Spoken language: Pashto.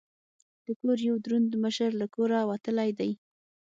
د کور یو دروند مشر له کوره وتلی دی.